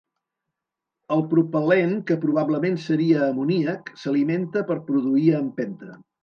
El propel·lent, que probablement seria amoníac, s'alimenta per produir empenta.